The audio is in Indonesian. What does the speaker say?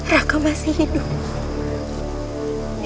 raka masih hidup